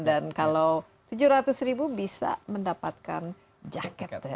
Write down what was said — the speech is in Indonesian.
dan kalau tujuh ratus ribu bisa mendapatkan jaket ya bomber jaket seperti ini ya